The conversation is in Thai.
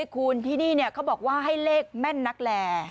คุณที่นี่เขาบอกว่าให้เลขแม่นนักแหล่